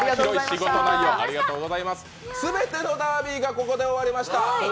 全てのダービーがここで終わりました。